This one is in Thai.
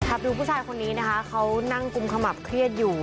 ดูผู้ชายคนนี้นะคะเขานั่งกุมขมับเครียดอยู่